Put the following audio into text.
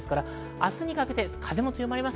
明日にかけて風も強まります。